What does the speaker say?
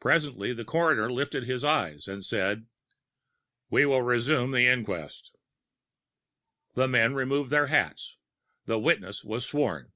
Presently the coroner lifted his eyes and said: "We will resume the inquest." The men removed their hats. The witness was sworn.